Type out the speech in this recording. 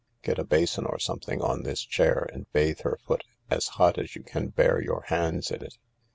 Get a basin or something on this chair, and bathe her foot— as hot as you can bear your hands in it.